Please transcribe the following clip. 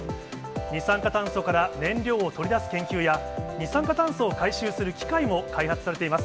二酸化炭素から燃料を取り出す研究や、二酸化炭素を回収する機械を開発されています。